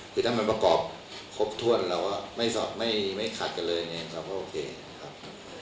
คือถ้ามันประกอบครบถ้วนเราก็ไม่ขาดกันเลยมันก็โอเคครับ